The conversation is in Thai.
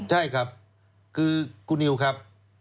ใช่ครับคือคุณนิวครับ